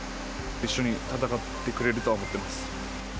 一緒に戦ってくれるとは思ってます。